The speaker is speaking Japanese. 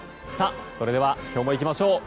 それでは今日もいきましょう！